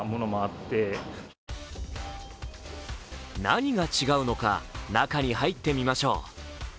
何が違うのか中に入ってみましょう。